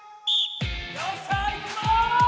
よっしゃいくぞ！